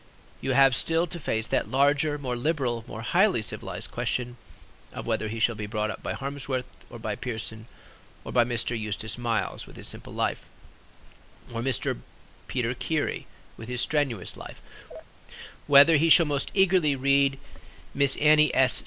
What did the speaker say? You have still to face that larger, more liberal, more highly civilized question, of whether he shall be brought up by Harmsworth or by Pearson, by Mr. Eustace Miles with his Simple Life or Mr. Peter Keary with his Strenuous Life; whether he shall most eagerly read Miss Annie S.